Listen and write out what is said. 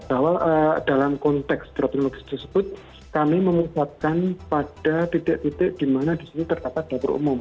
bahwa dalam konteks dropping logistik tersebut kami memutuskan pada titik titik di mana disini terdapat dapur umum